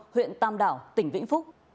huyện tam đảo tỉnh vĩnh phúc